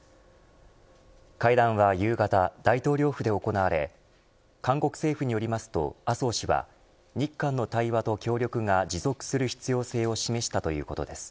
会談は夕方、大統領府で行われ韓国政府によりますと、麻生氏は日韓の対話と協力が持続する必要性を示したということです。